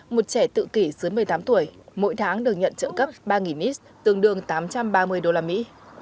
một trẻ tự kỷ dưới một mươi tám tuổi mỗi tháng được nhận trợ cấp ba nít tương đương tám trăm ba mươi đô la mỹ